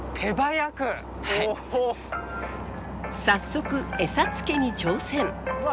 早速餌付けに挑戦！